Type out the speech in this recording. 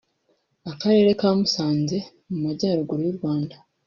Akarere ka Musanze mu Majyaruguru y’u Rwanda